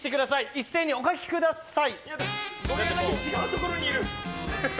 一斉にお書きください！